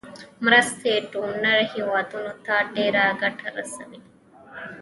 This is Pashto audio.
مرستې ډونر هیوادونو ته ډیره ګټه رسوي.